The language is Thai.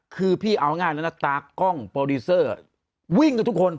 คือพี่เอาง่ายแล้วนะตากล้องโปรดิเซอร์อ่ะวิ่งด้วยทุกคน